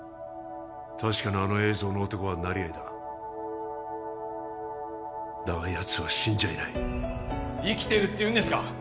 確かにあの映像の男は成合だだがやつは死んじゃいない生きてるっていうんですか？